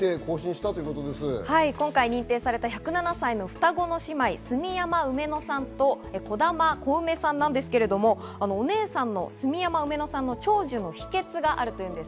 今回認定された１０７歳の双子の姉妹の炭山ウメノさんと、兒玉コウメさんですが、お姉さんの炭山ウメノさんの長寿の秘訣があるといいます。